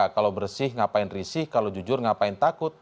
kalau bersih ngapain risih kalau jujur ngapain takut